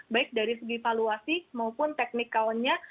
baik dari segi valuasi maupun teknik countnya